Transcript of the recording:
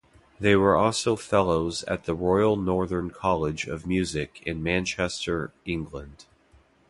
They were also Fellows at the Royal Northern College of Music in Manchester, England.